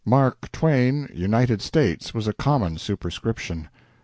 "Mark Twain, United States," was a common superscription.